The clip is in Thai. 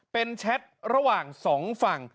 เป็นแชทระหว่างสองฝั่ง